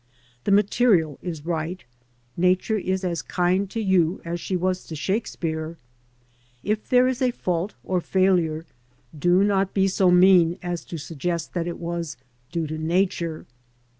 The material is right ; Nature is as kind to you as she was to Shakespeare. If there is a fault or failure, do not be so mean as to suggest that it was due to Nature.